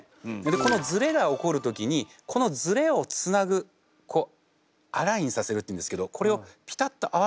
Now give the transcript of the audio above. このズレが起こる時にこのズレをつなぐこうアラインさせるっていうんですけどこれをピタッと合わせる。